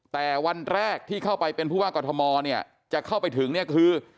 แต่วันแรกที่เข้าไปเป็นผู้ว่ากอทมจะเข้าไปถึงคือ